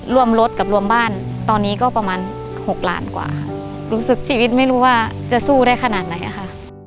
รวมรถกับรวมบ้านตอนนี้ก็ประมาณหกล้านกว่าค่ะรู้สึกชีวิตไม่รู้ว่าจะสู้ได้ขนาดไหนค่ะ